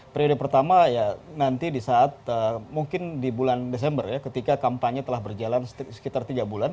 periode pertama ya nanti di saat mungkin di bulan desember ya ketika kampanye telah berjalan sekitar tiga bulan